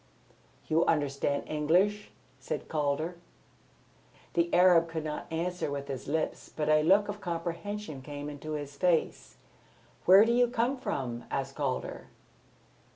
"You understand English?" said Calder. The Arab could not answer with his lips, but a look of comprehension came into his face. "Where do you come from?" asked Calder.